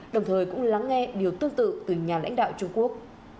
đồng thời cũng lắng nghe điều tương tự từ nhà lãnh đạo trung quốc